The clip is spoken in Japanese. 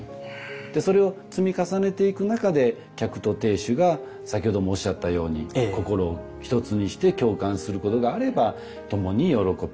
でそれを積み重ねていく中で客と亭主が先ほどもおっしゃったように心を一つにして共感することがあれば共に喜び